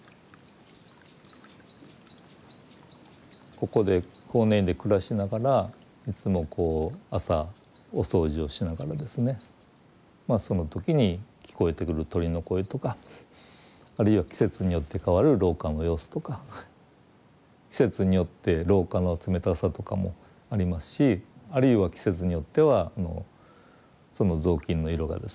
ここで法然院で暮らしながらいつもこう朝お掃除をしながらですねその時に聞こえてくる鳥の声とかあるいは季節によって変わる廊下の様子とか季節によって廊下の冷たさとかもありますしあるいは季節によってはその雑巾の色がですね